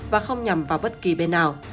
và không nhằm vào bất kỳ bên nào